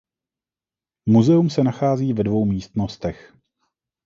Muzeum se nachází ve dvou místnostech.